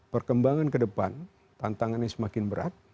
perkembangan ke depan tantangan yang semakin berat